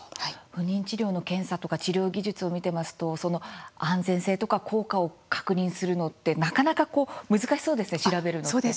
不妊治療の検査とか治療技術を見てますとその安全性とか効果を確認するのって、なかなかこう難しそうですね、調べるのって。